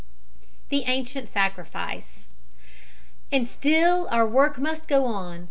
THE ANCIENT SACRIFICE And still our work must go on.